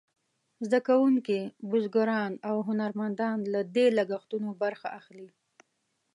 زده کوونکي، بزګران او هنرمندان له دې لګښتونو برخه اخلي.